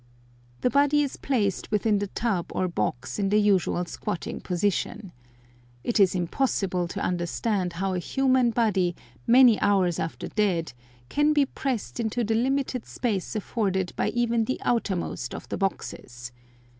The body is placed within the tub or box in the usual squatting position. It is impossible to understand how a human body, many hours after death, can be pressed into the limited space afforded by even the outermost of the boxes.